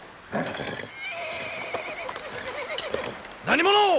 何者！